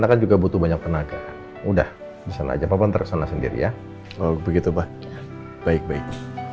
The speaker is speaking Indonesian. kan juga butuh banyak tenaga udah bisa aja papa ntar sana sendiri ya begitu baik baik